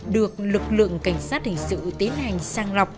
được lực lượng cảnh sát hình sự tiến hành sang lọc